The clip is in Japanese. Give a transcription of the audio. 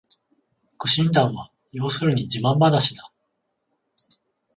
苦心談は要するに自慢ばなしだ